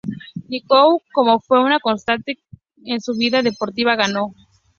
Nicolau, como fue una constante en su vida deportiva, ganó.